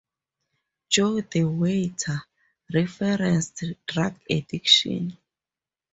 "Jo the Waiter" referenced drug addiction.